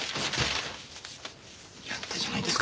やったじゃないですか。